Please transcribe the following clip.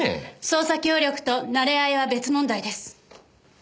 捜査協力と馴れ合いは別問題です。